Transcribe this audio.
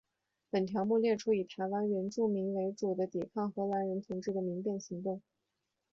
本条目列出以台湾原住民为主的抵抗荷兰人统治的民变行动。